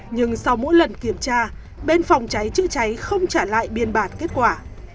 nhưng sau mỗi lần kiểm tra bên phòng cháy chữa cháy không trả lại biên bản kết quả